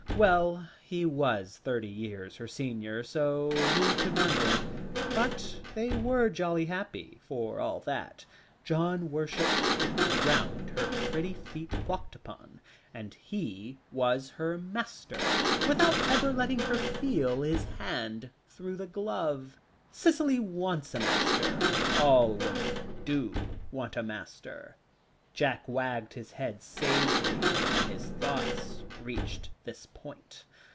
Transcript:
Well; he was thirty years her senior, so who could wonder? But they were jolly happy, for all that; John worshipped the ground her pretty feet walked upon, and he was her master, without ever letting her feel his hand through the glove. Cicely wants a master all women do want a master," Jack wagged his head sagely, when his thoughts reached this point.